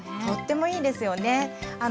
とってもいいですよね。